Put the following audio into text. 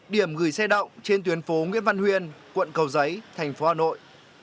điểm gửi xe động trên tuyến phố nguyễn văn huyền quận cầu giấy thành phố hà nội